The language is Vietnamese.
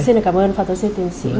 vâng được xin cảm ơn phó tổng sĩ tiến sĩ